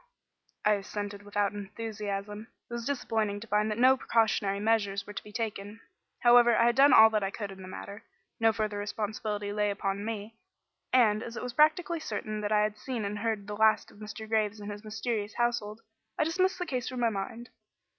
I assented without enthusiasm. It was disappointing to find that no precautionary measures were to be taken. However, I had done all that I could in the matter. No further responsibility lay upon me, and, as it was practically certain that I had seen and heard the last of Mr. Graves and his mysterious household, I dismissed the case from my mind.